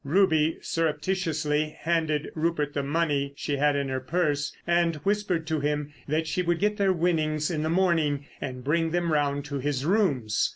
Ruby surreptitiously handed Rupert the money she had in her purse and whispered to him that she would get their winnings in the morning and bring them round to his rooms.